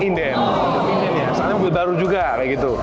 inden ya soalnya mobil baru juga kayak gitu